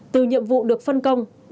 từ nhiệm vụ được phân công đồng loạt triển